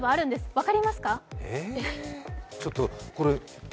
分かりますか？